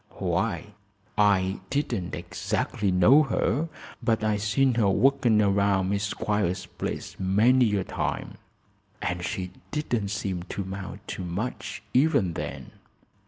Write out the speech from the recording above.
"Why, I didn't exactly know her, but I seen her workin' around Miss Squiers's place many a time, and she didn't seem to 'mount to much, even then.